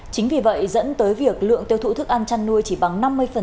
chính vì vậy dẫn tới việc lượng tiêu thụ thức ăn chăn nuôi chỉ bằng năm mươi